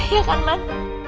iya kan man